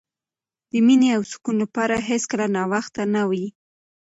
د مینې او سکون لپاره هېڅکله ناوخته نه وي.